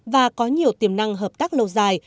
và có nhiều tiềm năng hợp tác lâu dài